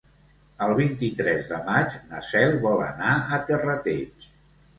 El vint-i-tres de maig na Cel vol anar a Terrateig.